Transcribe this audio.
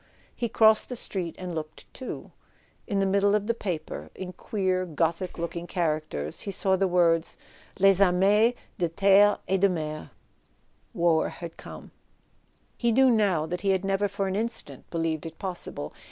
He crossed the street and looked too. In the middle of the paper, in queer Gothic looking characters, he saw the words " Leg armees tie Cette et Dc 90et... War had come He knew now that he had never for an instant be¬ lieved it possible.